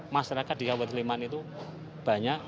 masyarakat di kabupaten sleman itu banyak